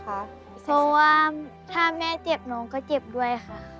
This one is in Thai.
เพราะว่าถ้าแม่เจ็บน้องก็เจ็บด้วยค่ะ